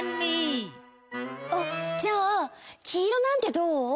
あじゃあきいろなんてどう？